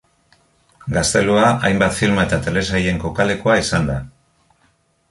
Gaztelua hainbat filma eta telesailen kokalekua izan da.